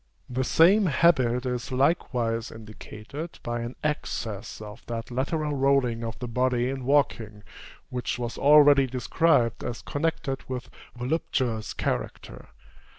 The same habit is likewise indicated by an excess of that lateral rolling of the body in walking, which was already described as connected with voluptuous character.